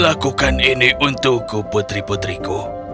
lakukan ini untukku putri putriku